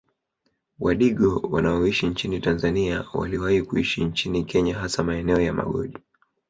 Wadigo wanaoishi nchini Tanzania waliwahi kuishi nchini Kenya hasa maeneo ya Magodi